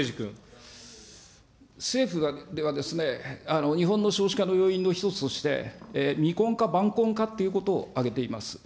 政府では、日本の少子化の要因の１つとして、未婚化、晩婚化ということを挙げています。